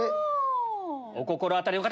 お心当たりの方！